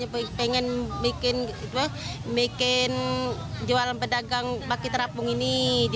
pengen bikin jualan pedagang baki terapung ini